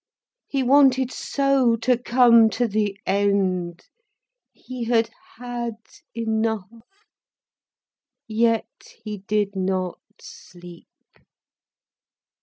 He wanted so to come to the end—he had had enough. Yet he did not sleep.